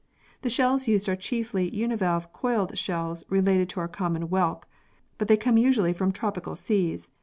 The shells used are chiefly univalve coiled shells related to our common whelk, but they come usually from tropical seas.